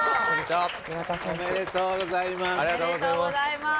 ありがとうございます。